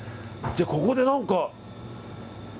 じゃあ、ここで何か。